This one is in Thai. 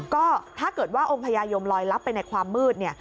ก็ถ้าเกิดว่าองค์พญายมลอยลับไปในความมืดเนี่ย